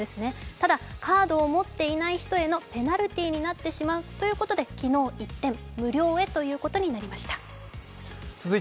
ただ、カードを持っていない人へのペナルティーになってしまうということで昨日、一転、無料へということになりました。